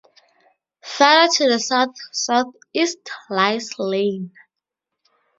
Farther to the south-southeast lies Lane.